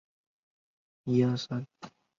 现今所属经纪公司为民视凤凰艺能旗下艺人。